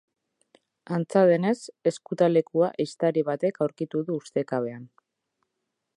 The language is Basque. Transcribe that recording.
Antza denez, ezkutalekua ehiztari batek aurkitu du ustekabean.